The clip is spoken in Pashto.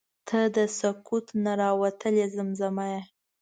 • ته د سکوت نه راوتلې زمزمه یې.